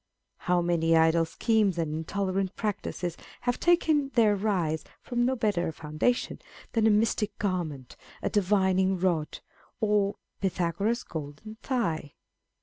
How many idle schemes and intolerant practices have taken their rise from no better a foundation than a mystic garment, a divining rod, or Pythagoras^ golden thigh